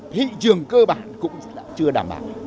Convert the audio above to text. thị trường cơ bản cũng chưa đảm bảo